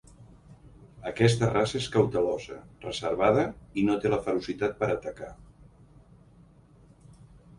Aquesta raça és cautelosa, reservada i no té la ferocitat per atacar.